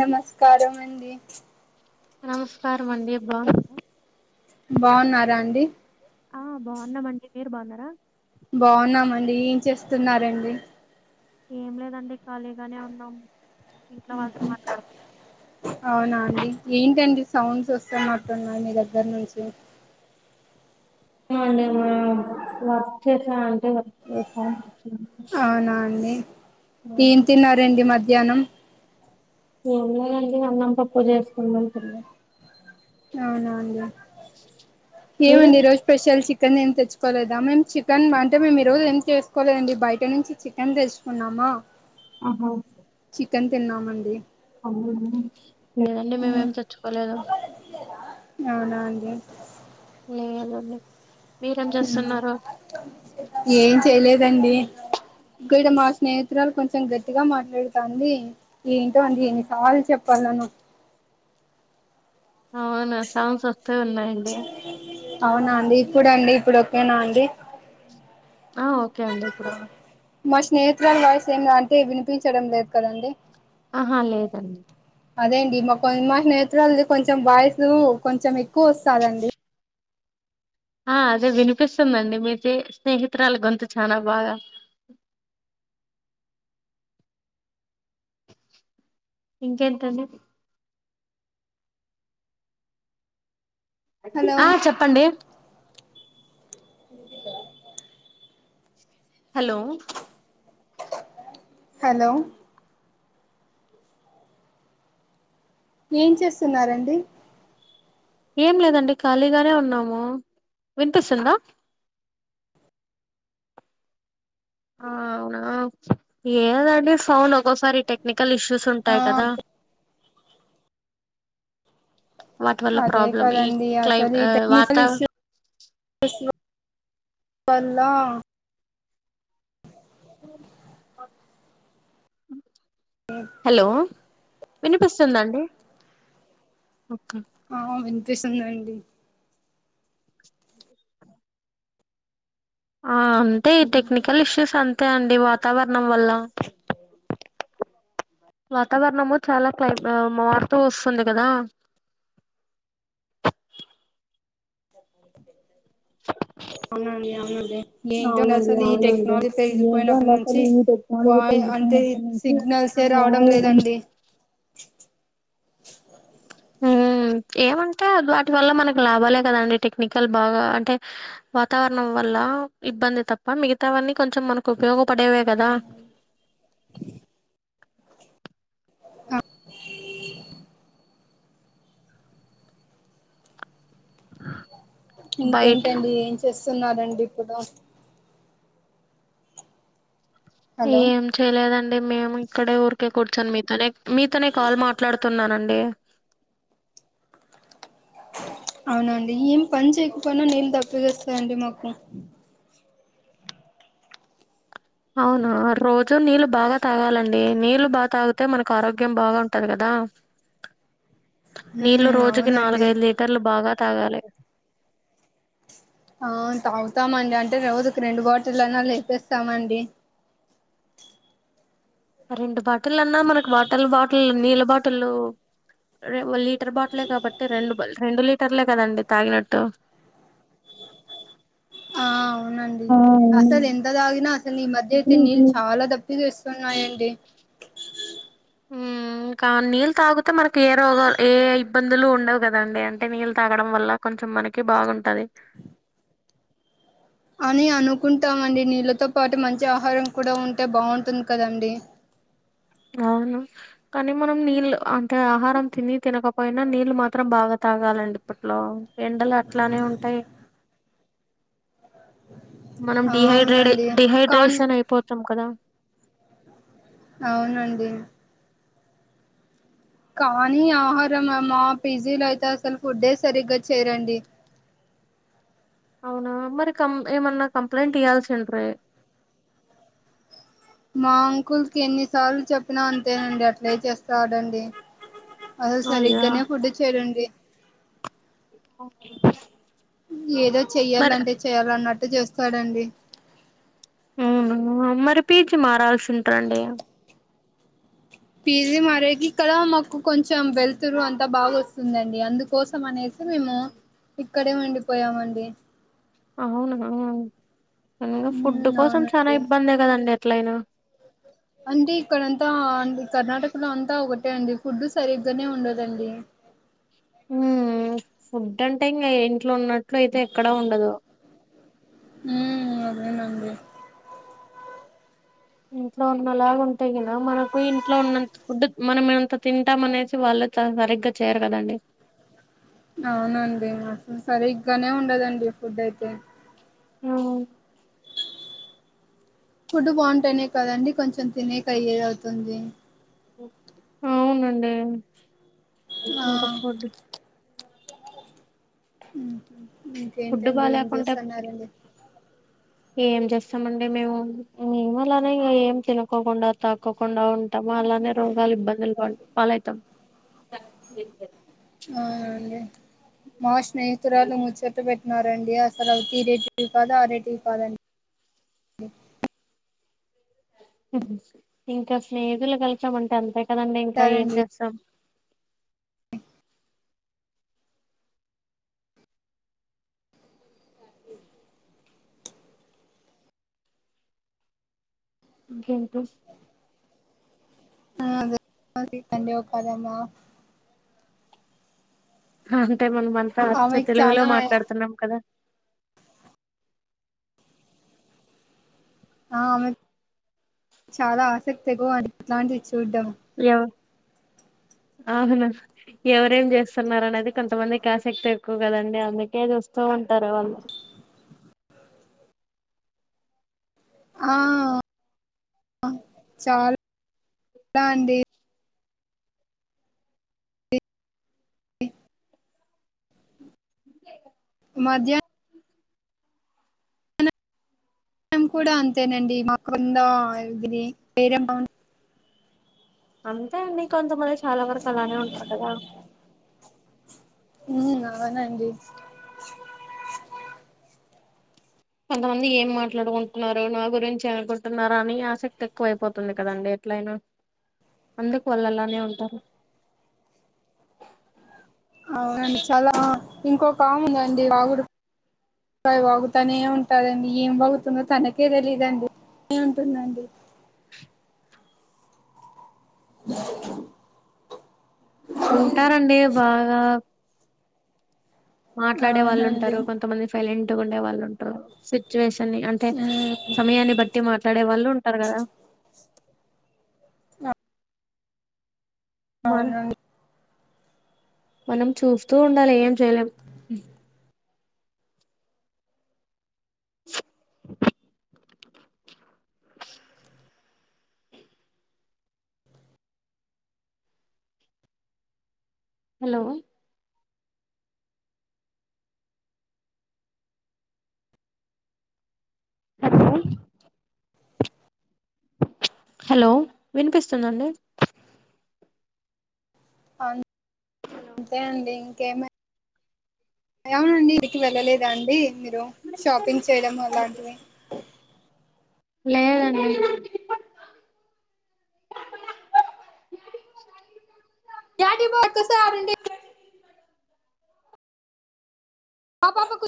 నమస్కారం అండి నమస్కారం అండి బా బావున్నారా అండి ఆ బావున్నామండి మీరు బాగున్నారా బావున్నామండి ఏం చేస్తున్నారండి. ఏం లేదండి ఖాళీగానే ఉన్నాం ఇంట్లో వాళ్ళతో మాట్లాడుత అవునా అండి ఏంటండి సౌండ్స్ వస్తనట్టున్నాయి మీ దగ్గర నుంచి అండి మేం వర్క్ చేసా అంటే వర్క్ చేసా అవునా అండీ ఏం తిన్నారండి మధ్యాహ్నం ఏమిలేదండి అన్నం పప్పు చేసుకుందనుకున్నా అవునా అండి మీరు ఏమండి ఈ రోజు స్పెషల్ చికెన్ ఏం తెచ్చుకోలేదా మేం చికెన్ అంటే మేము ఈ రోజు ఏం చేసుకోలేదండి. బయట నుంచి చికెన్ తెచ్చుకున్నామా ఆహా చికెన్ తిన్నామండి. అవునా లేదండి మేమేం తెచ్చుకోలేదు అవునా అండి లేదండి మీరేం చేస్తున్నారు ఏం చేయలేదండి ఇగ్గో ఇది మా స్నేహితురాలు కొంచెం గట్టిగా మాట్లాడుతాంది. ఏంటో అండి ఎన్ని సార్లు చెప్పాల్లనో అవునా సౌండ్స్ వస్తూ ఉన్నాయండి అవున అండి ఇప్పుడు అండి ఇప్పుడు ఒకేనా అండి ఆ ఓకే అండి ఇప్పుడు మా స్నేహితురాలు వాయిస్ ఏం రా అంతే వినిపించడం లేదు కదండి ఆహా లేదండి అదే అండి మా కొ [unintelligible] నేత్రాలది కొంచెం వాయిసు కొంచెం ఎక్కువ వస్తాదండి ఆ అదే వినిపిస్తుందండి మీది స్నేహితురాలు గొంతు చానా బాగా ఇంకెంటండి హలో ఆ చెప్పండి హలో హలో ఏం డిసిప్ర చేస్తున్నారండి ఏం లేదండి ఖాళీగానే ఉన్నాము వినిపిస్తుందా ఆ అవునా ఏదండి ఫోన్ ఒకోసారి టెక్నికల్ ఇష్యూస్ ఆ ఉంటాయి కదా వాటి వల్ల అదే ప్రాబ్లం ఈ కదండి క్లైమ్ అసలు ఈ వాత టెక్నికల్ ఇష్యూ [inaudible] వల్ల హలో వినిపిస్తుందండి ఆ వినిపిస్తుందండి ఆ అంతే ఈ టెక్నికల్ ఇష్యూస్ అంతే అండి వాతావరణం వల్ల వాతావరణము చాలా క్లై ఆ మారుతూ వస్తుంది కదా ఏంటో అవునండి అసలు ఈ అవునండి టెక్నాలజీ ఏంటో పెరిగిపోయినప్పటి నుంచి అసలు ఈ టెక్నాలజీ వాయ్ అంటే పెరిగిపోయినప్పటి నుంచి సిగ్నల్సే రావడం వావ్ లేదండి హ్మ్ ఏవంటే వాటి వల్ల మనకు లాభాలే కదండి టెక్నికల్ బాగా అంటే వాతావరణం వల్ల ఇబ్బంది తప్ప మిగతావన్నీ కొంచెం మనకు ఉపయోగపడేవే గదా ఆ బయట ఇంకేంటండి ఏం చేస్తున్నారండి ఇప్పుడు హలో ఏం చేయలేదండి మేము ఇక్కడే ఊరికే కూర్చొని మీతోనే మీతోనే కాల్ మాట్లాడుతున్నానండి అవునాఅండి ఏం పని చేయకపోయినా నీళ్ళు దప్పికేస్తాదండి మాకు అవునా రోజూ నీళ్ళు బాగా తాగాలం డి నీళ్లు బాగా తాగితే మనకు ఆరోగ్యం బాగా ఉంటది కదా నీళ్లు ఉమ్ రోజుకి అవునండి నాలుగైదు లీటర్లు బాగా తాగాలి ఆ తాగుతామండి అంటే రోజుకి రెండు బాటిలన్న లేపెస్తామండి. రెండు బాటిల్ అన్నా మనకు వాటల్ బాటిల్ నీళ్ళ బాటిలు లీటర్ బాటిలే కాబట్టి రెండు రెండు లీటర్లే కదండి తాగినట్టు ఆ అవునండి ఆ అవును అసలు ఎంత తాగినా అసలు ఈ మధ్య అయితే నీళ్ళు చాలా ద ప్పిక వేస్తున్నాయండి ఇంకా నీళ్ళు తాగితే మనకి ఏ రోగాలు ఏ ఇబ్బందులు ఉండవు కదండి అంటే నీళ్ళ తాగడం వల్ల కొంచం మనకి బాగుంటది అని అనుకుంటామండి నీళ్ళతో పాటు మంచి ఆహారం కూడా ఉంటే బాగుంటుంది కదండి అవును కానీ మనం నీళ్ళు అంటే ఆహారం తిని తినక పోయినా నీళ్లు మాత్రం బాగా తాగాలండి. ఇప్పట్లో ఎండలు అట్లానే ఉంటాయి. మనం డిహైడ్రే అవునండి కాన్ డిహైడ్రేషన్ అయిపోతాం కదా అవునండి. కానీ ఆహారం అమ్మా పీజీ లో అయితే అసలు ఫుడ్డే సరిగ్గా చేయరండి. అవునా మరి కం ఏమన్నా కంప్లైంట్ ఇయ్యాల్సింట్రి మా అంకుల్కి ఎన్నిసార్లు చెప్పినా అంతేనండి. అట్లే చేస్తడండి. అసలు అయ్యా సరిగ్గానే ఫుడ్ చేయరండి. ఓకె ఏదో చెయ్యాలంటే చెయ్యాలన్నట్టు చేస్తాడండి. అవునా మరి పీజీ మారాల్సింట్రాండి. పీజీ మరేకి ఇక్కడ మాకు కొంచెం వెళ్తురు. అంతా బాగా వస్తుందండి. అందుకోసం అనేసి మేము ఇక్కడే ఉండిపోయామండి. అవునా కదా, ఇంగ ఫుడ్ ఉమ్ కోసం చాలా అవునండి ఇబ్బందే కదండి. ఎట్లయినా, అంటే ఇక్కడంతా కర్ణాటక లో అంతా ఒకటే అండి ఫుడ్ సరిగ్గనే ఉండదండి. ఉమ్ ఫుడ్ అంటే ఇంకా ఇంట్లో ఉన్నట్లు అయితే ఎక్కడా ఉండదు. అదే అదేనండి. ఇంట్లో ఉన్నలాగా ఉంటే గిన మనకు ఇంట్లో ఉన్నంత ఫుడ్ మనమంత తింటాం. అనేసి వాళ్ళ సరిగ్గా చేయరు కదండి. అవునండి. మాకు సరిగ్గానే ఉండదండి. ఫుడ్ అయితే ఏమో, ఫుడ్ బాగుంటేనే కదండి కొంచెం తినేక అయ్యేది అవుతుంది. అవునండి. ఆ ఇంకా ఫుడ్ ఫుడ్ ఇంకేంటండి, ఏం బాలేకుంటే చేస్తున్నారండి. ఏం చేస్తామండి. మేము మే అలానే ఇం ఏం తినకోకుండా తక్కోకుండా ఉంటాము. అలానే రోగాలు ఇబ్బందులు పాటు పాలవుతాం. స [inaudible] అవునండి మా స్నేహితురాలు ముచ్చట పెట్టి ఉన్నారండి. అసలు ఈ రేటువి కాదు ఆ రేటువి కాదండి. ఇంకా స్నేహితులు కలిసాం అంటే అంతే కదండి. ఇంకా ఏం టారండి చేస్తాం. ఇంకేంటి, అద సీత ఒక్కాలన్న [unintelligible] అంటే మనం అంతా అచ్చ ఆమెకి తెలుగులో చానా మాట్లాడుతున్నాం. కదా ఆ ఆమెకి చాలా ఆసక్తిగ అది ఇట్లాంటివి చూడ్డం ఎవ [unintelligible] అవును ఎవరేం చేస్తున్నారు. అనేది కొంతమందికి ఆసక్తి ఎక్కువ కదండి. అందుకే చూస్తూ ఉంటారు. వాళ్ళు ఆ చాలా చాలా అండి ఎ [inaudible] ఇ మధ్య్ కూడా అంతేనండి మా కింద ఇరి వేరే అంతేఅండి. కొంతమంది చాలా వరకు అలానే ఉంటారు. కదా ఉ, అవునండి. కొంతమంది ఏం మాట్లాడుకుంటున్నారు నా గురించి అనుకుంటున్నారా అని ఆసక్తి ఎక్కువ అయిపోతుంది కదండి. ఎట్లయినా అందుకు వాళ్ళు అలానే ఉంటారు. అవునండి చాలా ఇంకోొకముందండి వాగుడు య వాగుతానే ఉంటదండి ఏం బగుతుందో తనకే తెలీదండి ఏ ఉంటుందండి ఉంటారండి బాగ మాట్లాడే వాళ్ళు అవునండి ఉంటారు కొంతమంది ఫెల్ట్ ఉండే వాళ్ళు ఉంటారు సిచ్యువేషన్ని అంటే ఉమ్ సమయాన్ని బట్టి మాట్లాడే వాళ్ళు ఉంటారు కదా మ అవునండి మనం చూస్తూ ఉండాలి ఏం చేయలేం హలో హలో హలో వినిపిస్తుందండి. అంతే అండి ఇంకే [unintelligible] అవునండి ఇంటికి వెళ్ళలేదా అండి మీరు షాపింగ్ చేయడం అలాంటివి లేదండి [unintelligible] ఆ పాప